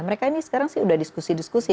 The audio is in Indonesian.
mereka ini sekarang sih sudah diskusi